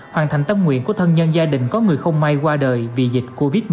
hoàn thành tâm nguyện của thân nhân gia đình có người không may qua đời vì dịch covid một mươi chín